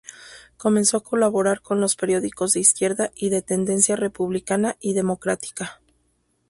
Comenzó a colaborar con los periódicos de izquierda y de tendencia republicana y democrática.